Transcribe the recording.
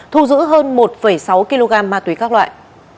thu giữ hơn một sáu kg ma túy các loại